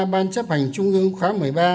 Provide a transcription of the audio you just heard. ban chấp hành trung ương khóa một mươi ba